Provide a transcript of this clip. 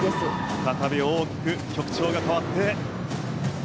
再び大きく曲調が変わる。